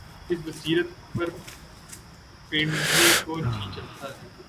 اس بصیرت پر سر پیٹنے کو جی چاہتا ہے۔